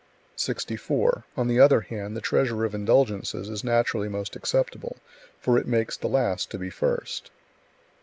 64. On the other hand, the treasure of indulgences is naturally most acceptable, for it makes the last to be first.